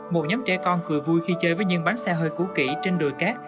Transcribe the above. một nhóm trẻ con cười vui khi chơi với nhân bánh xe hơi củ kỷ trên đồi cát